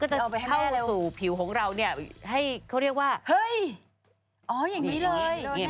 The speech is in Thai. จะเอาไปให้สู่ผิวของเราเนี่ยให้เขาเรียกว่าเฮ้ยอ๋ออย่างนี้เลย